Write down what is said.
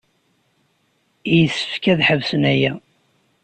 Yessefk ad ḥebsen aya.